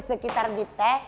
di sekitar kita